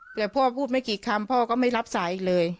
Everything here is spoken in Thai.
แต่พ่อพูดไม่กี่คำพ่อก็ไม่รับสายอีกเลย